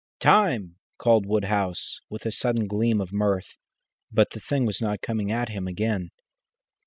"Time!" called Woodhouse, with a sudden gleam of mirth, but the thing was not coming at him again.